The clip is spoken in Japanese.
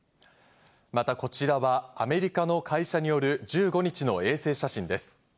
またこちらはアメリカの会社による１５日の衛星写真です。